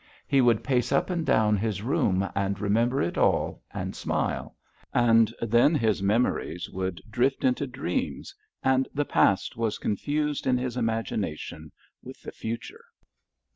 He would pace up and down his room and remember it all and smile, and then his memories would drift into dreams, and the past was confused in his imagination with the future.